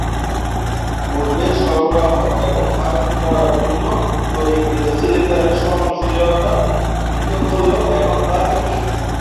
পূর্বে "সরবরাহ" এবং "ধারণ" করার জন্য তৈরীকৃত সিলিন্ডারের সহনশীলতা পৃথক হলেও, এখন তা একই।